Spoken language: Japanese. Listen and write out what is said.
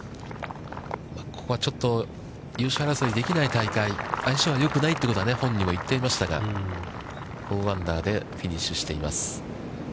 ここはちょっと優勝争いのできない大会、相性はよくないということは、本人も言っていましたが、４アンダーでフィニッシュしています。